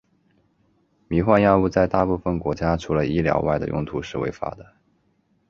迷幻药物在大部分国家除了医疗外的用途是违法的。